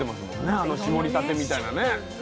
あの絞りたてみたいなね。